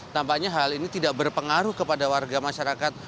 tampaknya hal ini tidak berpengaruh kepada warga masyarakat